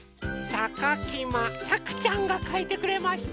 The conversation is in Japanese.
さかきまさくちゃんがかいてくれました。